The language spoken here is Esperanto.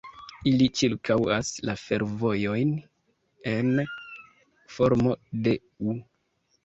Ili ĉirkaŭas la fervojojn en formo de "U".